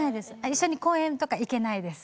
一緒に公園とか行けないです。